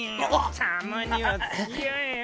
たまには付き合えよ！